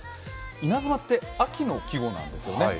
稲妻って秋の季語なんですよね。